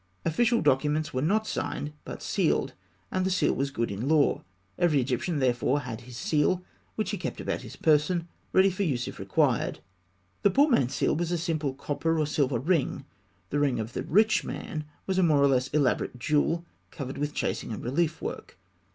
Official documents were not signed, but sealed; and the seal was good in law. Every Egyptian, therefore, had his seal, which he kept about his person, ready for use if required. The poor man's seal was a simple copper or silver ring; the ring of the rich man was a more or less elaborate jewel covered with chasing and relief work.